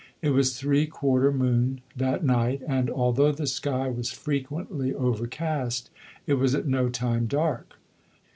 It was three quarter moon that night, and although the sky was frequently overcast it was at no time dark.